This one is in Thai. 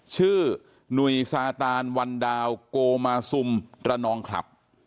หนุ่ยซาตานวันดาวโกมาซุมระนองคลับ